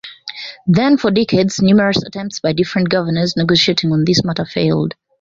Then for decades numerous attempts by different governors negotiating on this matter failed.